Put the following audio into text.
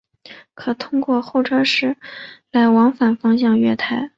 可通过候车室来往反方向月台。